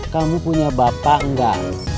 kamu punya bapak nggak